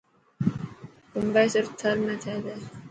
کومبي صرف ٿر ۾ ٿي تي.